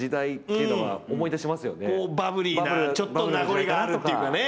バブリーなちょっと名残があるっていうかね。